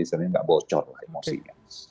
tidak bocor lah emosinya